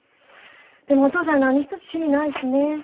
でもお父さん何一つ趣味ないしね。